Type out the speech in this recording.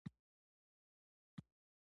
ایا ستاسو درسونه خلاص شوي نه دي؟